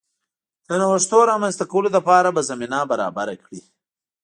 د نوښتونو رامنځته کولو لپاره به زمینه برابره کړي